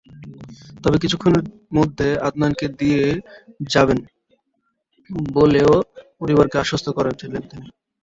তবে কিছুক্ষণের মধ্যে আদনানকে দিয়ে যাবেন বলেও পরিবারকে আশ্বস্ত করেছিলেন তাঁরা।